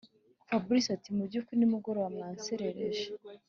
fabric ati”mubyukuri nimugoroba mwanserereje